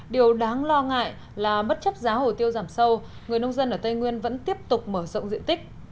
điều đáng lo ngại là bất chấp giá hồ tiêu giảm sâu người nông dân ở tây nguyên vẫn tiếp tục mở rộng diện tích